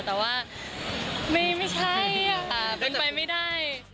แต่ว่าไม่ใช่เป็นไปไม่ได้